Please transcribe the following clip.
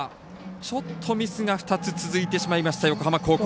ちょっとミスが２つ続いてしまいました横浜高校。